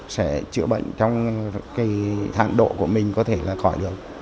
sẽ chữa bệnh trong cái hạn độ của mình có thể là khỏi được